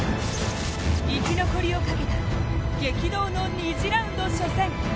生き残りをかけた激動の２次ラウンド初戦。